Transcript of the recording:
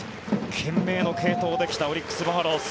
懸命の継投で来たオリックス・バファローズ。